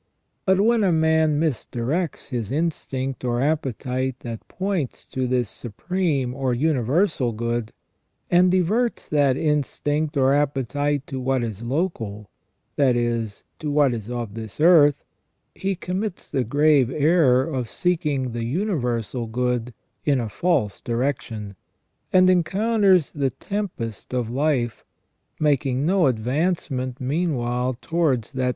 But when a man misdirects his instinct or appetite that points to this supreme or universal good, and diverts that instinct or appetite to what is local, that is, to what is of this earth, he commits the grave error of seeking the universal good in a false direction, and encounters the tempest of life, making no advancement meanwhile towards that 270 IV//Y MAN WAS NOT CREATED PERFECT.